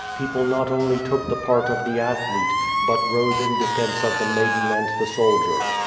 People not only took the part of the athlete, but rose in defence of the maiden and the soldier.